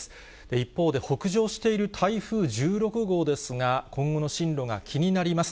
一方で北上している台風１６号ですが、今後の進路が気になります。